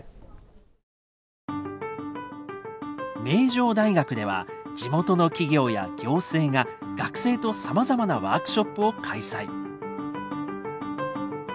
名城大学では地元の企業や行政が学生とさまざまなワークショップを開催。